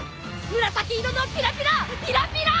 紫色のピラピラ！